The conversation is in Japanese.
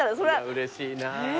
うれしいな。